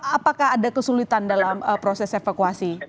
apakah ada kesulitan dalam proses evakuasi